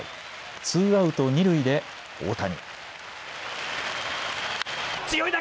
ツーアウト二塁で大谷。